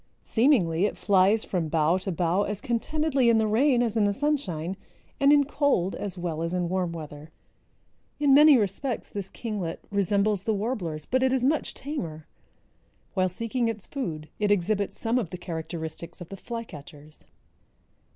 Seemingly it flies from bough to bough as contentedly in the rain as in the sunshine and in cold as well as in warm weather. In many respects this kinglet resembles the warblers, but it is much tamer. While seeking its food it exhibits some of the characteristics of the flycatchers.